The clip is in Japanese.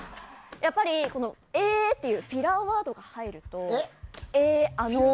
やっぱり、えーというフィラーワードが入ると。